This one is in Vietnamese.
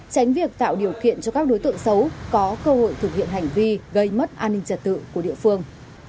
tránh việc tạo điều kiện cho các đối tượng xấu có cơ hội thực hiện hành vi gây mất an ninh trật tự của địa phương